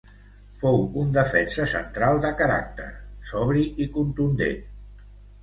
Fou un defensa central de caràcter, sobri i contundent.